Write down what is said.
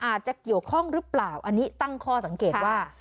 อาจจะเกี่ยวข้องหรือเปล่าอันนี้ตั้งข้อสังเกตว่า